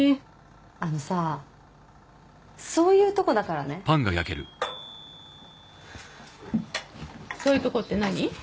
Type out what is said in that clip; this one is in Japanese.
あのさそういうとこだからねそういうとこって何？